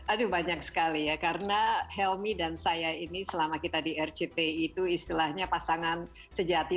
aduh banyak sekali ya karena helmi dan saya ini selama kita di rct itu istilahnya pasangan sejati